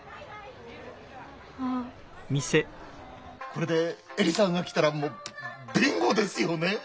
これで恵里さんが来たらもうビンゴですよねえ。